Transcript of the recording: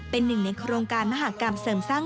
เป็นหนึ่งในโครงการมหากรรมเสริมสร้าง